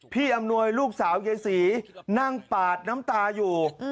อำนวยลูกสาวยายศรีนั่งปาดน้ำตาอยู่